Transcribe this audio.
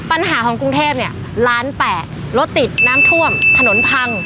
ปัญหาของกรุงเทพเนี่ยล้านแปดรถติดน้ำท่วมถนนพัง